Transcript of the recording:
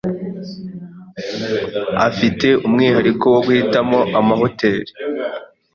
Afite umwihariko wo guhitamo amahoteri.